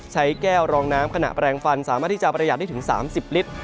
ใช้แก้วรองน้ำขณะแปลงฟันสามารถที่จะประหยัดได้ถึง๓๐ลิตร